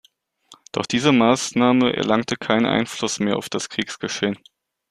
Doch diese Maßnahme erlangte keinen Einfluss mehr auf das Kriegsgeschehen.